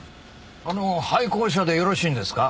あの廃校舎でよろしいんですか？